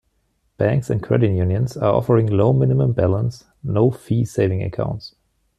Banks and credit unions are offering low minimum balance, no-fee savings accounts.